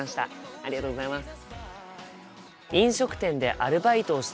ありがとうございます。